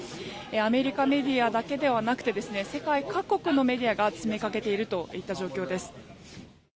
アメリカメディアだけではなくて世界各国のメディアが詰めかけているといった状況です。